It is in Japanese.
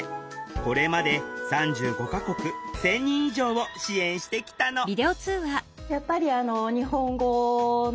これまで３５か国１，０００人以上を支援してきたのそうか。